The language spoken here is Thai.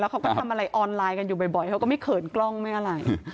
เขาก็ทำอะไรออนไลน์กันอยู่บ่อยเขาก็ไม่เขินกล้องไม่อะไร